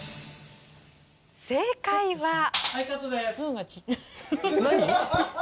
正解は。